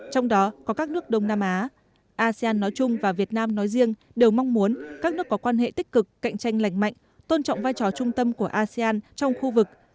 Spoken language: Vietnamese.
trong đó có các nước đông nam á asean nói chung và việt nam nói riêng đều mong muốn các nước có quan hệ tích cực cạnh tranh lành mạnh tôn trọng vai trò trung tâm của asean trong khu vực